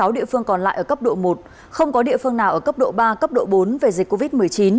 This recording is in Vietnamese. năm trăm ba mươi sáu địa phương còn lại ở cấp độ một không có địa phương nào ở cấp độ ba cấp độ bốn về dịch covid một mươi chín